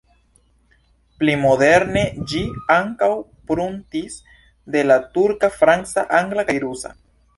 Pli moderne ĝi ankaŭ pruntis de la turka, franca, angla kaj rusa.